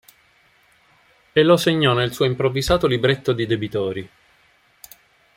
E lo segnò nel suo improvvisato libretto di debitori.